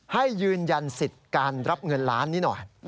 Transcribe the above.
ให้ยืนยันสิทธิ์การรับเงินล้านนี้หน่อย